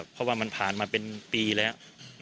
เพราะว่ามันผ่านมาเป็นปีแล้ว